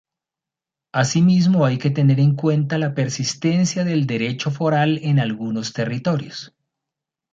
Asimismo hay que tener en cuenta la persistencia del derecho foral en algunos territorios.